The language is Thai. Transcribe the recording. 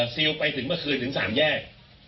ซิลไปถึงเมื่อคืนถึง๓แยก